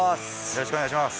よろしくお願いします。